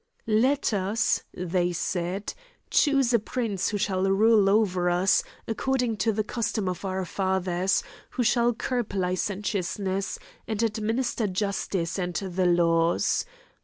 "Let us," they said, "choose a prince who shall rule over us, according to the custom of our fathers, who shall curb licentiousness, and administer justice and the laws.